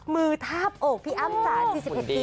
มือทาบอกพี่อ้ำจ๋า๔๑ปี